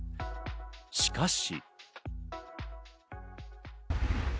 しかし。